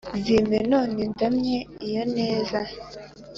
zimpe none ndamye iyo neza,